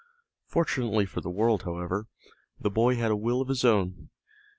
Fortunately for the world, however, the boy had a will of his own.